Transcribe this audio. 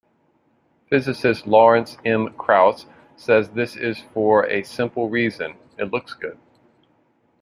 Physicist Lawrence M. Krauss says this is for a simple reason: it looks good.